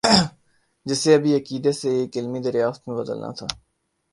جسے ابھی عقیدے سے ایک علمی دریافت میں بدلنا تھا۔